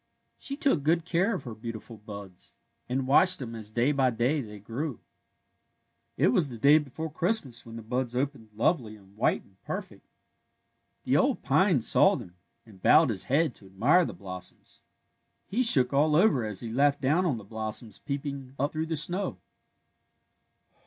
She took good care of her beautiful buds, and watched them as day by day they grew. It was the day before Christmas when the buds opened lovely and white and perfect. The old pine saw them, and bowed his head to admire the blossoms. He shook aU over as he laughed down on the blossoms peeping up through the snow.